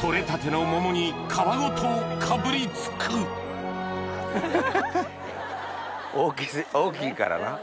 採れたての桃に皮ごとかぶりつく大きいからな。